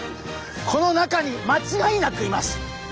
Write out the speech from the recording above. この中にまちがいなくいます！